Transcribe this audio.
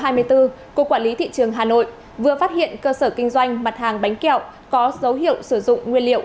cục quản lý thị trường hà nội vừa phát hiện cơ sở kinh doanh mặt hàng bánh kẹo có dấu hiệu sử dụng nguyên liệu